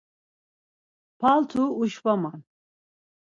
Paltu uşvaman.